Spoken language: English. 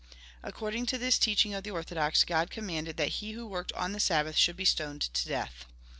According to this teaching of the orthodox, God com manded that he who worked on the Sabbath should be stoned to death.